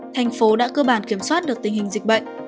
thành phố đã cơ bản kiểm soát được tình hình dịch bệnh